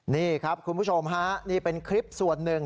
นี่ครับคุณผู้ชมฮะนี่เป็นคลิปส่วนหนึ่ง